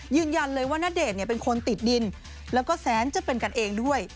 ยืนยันเลยว่าณเดชน์เป็นคนติดดินแล้วก็แสนจะเป็นกันเองด้วย